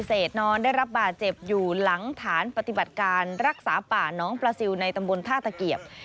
เศษนอนได้รับบาดเจ็บอยู่หลังฐานปฏิบัติการรักษาป่าน้องปลาซิลในตำบลท่าตะเกียบ